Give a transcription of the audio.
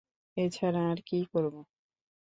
এ ছাড়া আর কি করব?